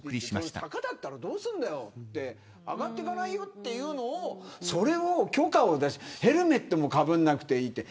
坂だったらどうするんだよ上がっていかないよっていうのをそれをヘルメットもかぶらなくていいって。